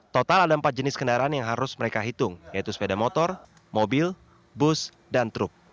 total ada empat jenis kendaraan yang harus mereka hitung yaitu sepeda motor mobil bus dan truk